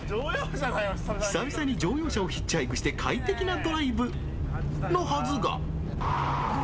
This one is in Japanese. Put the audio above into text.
久々に乗用車をヒッチハイクして快適なドライブ、のはずが。